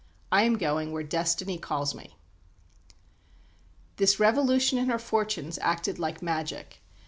I am going where Destiny calls me." This revolution in her fortunes acted like magic.